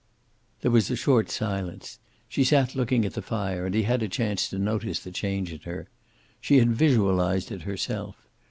There was a short silence. She sat looking at the fire, and he had a chance to notice the change in her. She had visualized it herself.